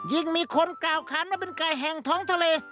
มีคนกล่าวคันว่าเป็นไก่แห่งท้องทะเล